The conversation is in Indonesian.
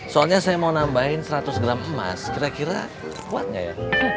soalnya saya mau nambahin seratus gram emas kira kira kuat nggak ya